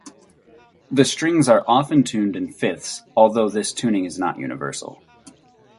The strings are often tuned in fifths, although this tuning is not universal.